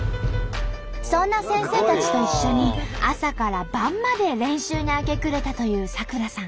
そんな先生たちと一緒に朝から晩まで練習に明け暮れたという咲楽さん。